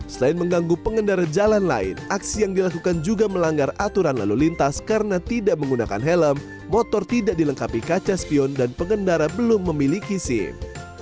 selain mengganggu pengendara jalan lain aksi yang dilakukan juga melanggar aturan lalu lintas karena tidak menggunakan helm motor tidak dilengkapi kaca spion dan pengendara belum memiliki sim